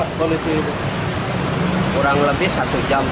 kurang lebih satu jam